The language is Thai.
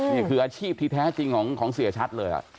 นี่คืออาชีพที่แท้จริงของเสียชัดเลย